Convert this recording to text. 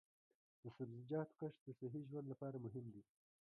د سبزیجاتو کښت د صحي ژوند لپاره مهم دی.